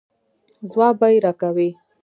ځواب به یې راکوئ.